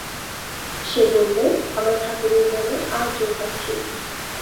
সে বললে, আমার ঠাকুরের নামে আর জোর পাচ্ছি নে।